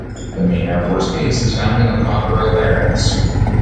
The main air force base is found in the "Cockerill Barracks".